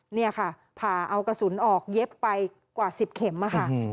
นี่ค่ะผ่าเอากระสุนออกเย็บไปกว่า๑๐เข็มค่ะ